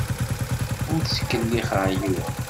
Ur ttkellixeɣ yiwen.